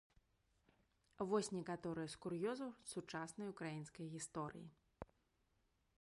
Вось некаторыя з кур'ёзаў сучаснай украінскай гісторыі.